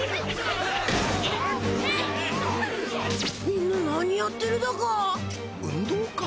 みんな何やってるだか？